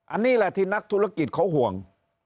อันนี้แหละที่นักธุรกิจเขาห่วง